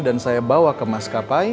saya bawa ke maskapai